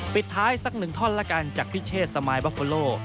ปิดท้ายสักหนึ่งท่อนละกันจากพิเชษสมายบอฟโฟโล